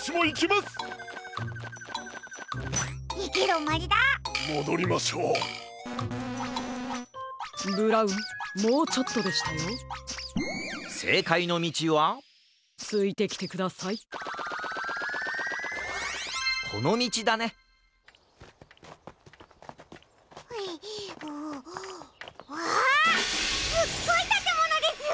すっごいたてものですよ！